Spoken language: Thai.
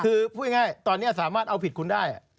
คือพูดง่ายตอนนี้สามารถเอาผิดคุณได้